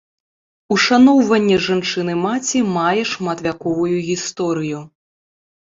Ушаноўванне жанчыны-маці мае шматвяковую гісторыю.